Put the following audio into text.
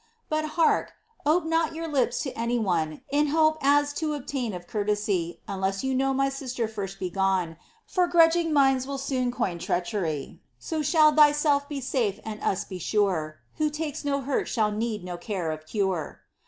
o'But hark, ope not yonr lips to any one In hope as to obtain of courtesy, Unless you know my sister first be gone. For grudging minds will soon eoyne treachery,* So shall thyself be safe and us be sure ; Who takes no hurt shall neeii no care of cure.